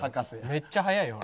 めっちゃ速いよ。